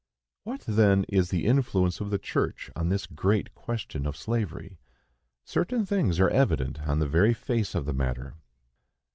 What, then, is the influence of the church on this great question of slavery? Certain things are evident on the very face of the matter.